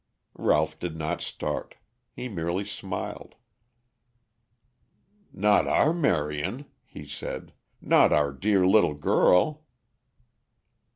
Ralph did not start. He merely smiled. "Not our Marion," he said. "Not our dear little girl."